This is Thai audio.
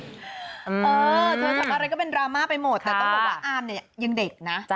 เธอทำอะไรก็เป็นดราม่าไปหมดแต่ต้องบอกว่าอามเนี่ยยังเด็กนะ